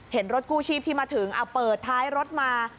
เห็นรถกู้ชีพที่มาถึงเอาเปิดท้ายรถมา